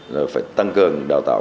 rồi phải tăng cường đào tạo